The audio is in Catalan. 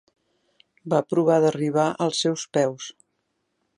Va provar d'arribar als seus peus.